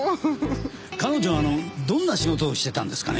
彼女どんな仕事をしてたんですかね？